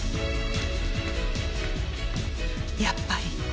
やっぱり。